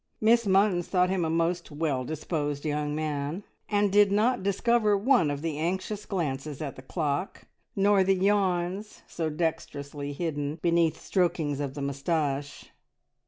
Miss Munns thought him a most well disposed young man, and did not discover one of the anxious glances at the clock, nor the yawns so dexterously hidden beneath strokings of the moustache.